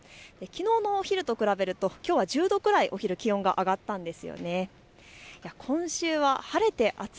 きのうのお昼と比べるときょうは１０度くらい、お昼、気温が上がったんです。